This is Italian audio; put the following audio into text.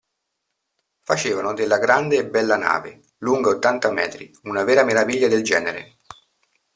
Facevano della grande e bella nave, lunga ottanta metri, una vera meraviglia del genere.